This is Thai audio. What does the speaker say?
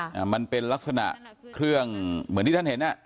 อ่ามันเป็นลักษณะเครื่องเหมือนที่ท่านเห็นอ่ะ